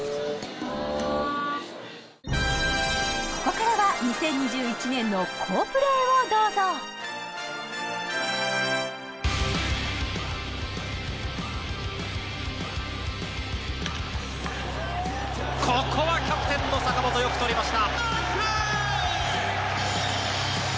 ここからは２０２１年の好プレーをどうぞここはキャプテンの坂本よく捕りました！